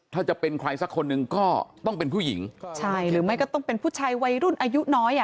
ถ้าจะเป็นใครสักคนหนึ่งก็ต้องเป็นผู้หญิงใช่หรือไม่ก็ต้องเป็นผู้ชายวัยรุ่นอายุน้อยอ่ะ